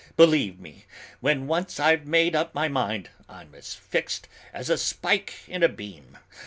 Believe me, when once I've made up my mind, I'm as fixed as a spike in a beam!